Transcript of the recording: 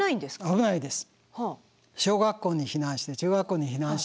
危ないです。